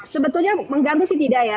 sebetulnya mengganggu sih tidak ya